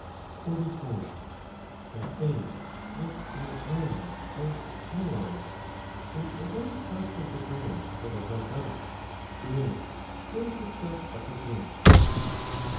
They say that in the island of Melos, in those parts of 44 5 the ground that are dug up, the earth fills itself up again.